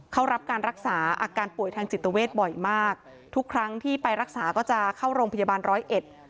เขารับการรักษาอาการป่วยทางจิตเวทบ่อยมากทุกครั้งที่ไปรักษาก็จะเข้าโรงพยาบาลร้อยเอ็ด